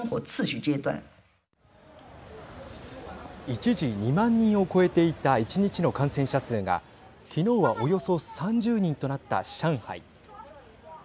一時、２万人を超えていた１日の感染者数がきのうはおよそ３０人となった上海。